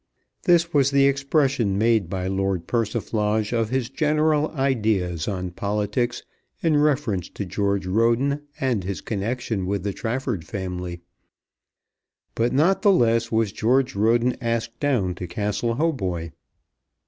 This was the expression made by Lord Persiflage of his general ideas on politics in reference to George Roden and his connection with the Trafford family; but not the less was George Roden asked down to Castle Hautboy.